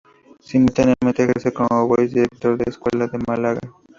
Simultáneamente ejerce como Vice Director de la Escuela de Málaga.